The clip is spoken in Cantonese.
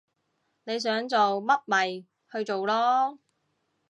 你想做乜咪去做囉